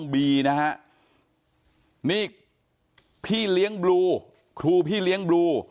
พี่เลี้ยงครูเลี้ยง